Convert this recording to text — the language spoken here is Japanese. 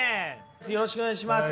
よろしくお願いします。